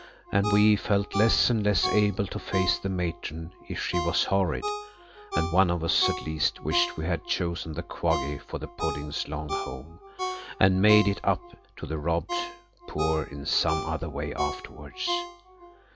And we felt less and less able to face the Matron if she was horrid, and one of us at least wished we had chosen the Quaggy for the pudding's long home, and made it up to the robbed poor in some other way afterwards.